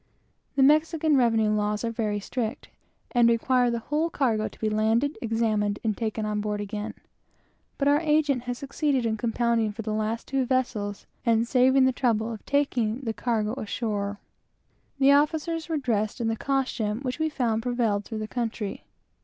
The Mexican revenue laws are very strict, and require the whole cargo to be landed, examined, and taken on board again; but our agent, Mr. R , had succeeded in compounding with them for the two last vessels, and saving the trouble of taking the cargo ashore. The officers were dressed in the costume which we found prevailed through the country.